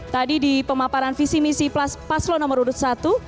tadi di pemaparan visi misi paslon nomor urut satu